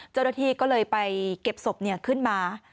เจ้าหน้าที่ก็เลยไปเก็บศพขึ้นมา